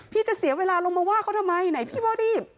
จะเสียเวลาลงมาว่าเขาทำไมไหนพี่ว่ารีบ